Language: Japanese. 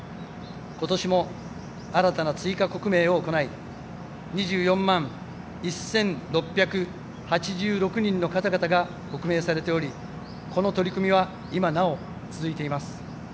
ことしも新たな追加刻銘を行い２４万１６８６人の方々が刻銘されておりこの取り組みは今なお続いています。